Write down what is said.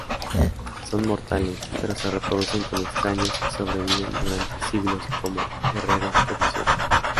Son mortales, pero se reproducen con extraños y sobreviven durante siglos como guerreros codiciosos.